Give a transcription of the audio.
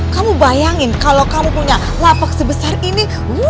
kamu bayangin kalau kamu punya lapak sebesar ini